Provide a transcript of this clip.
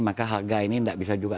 maka harga ini tidak bisa juga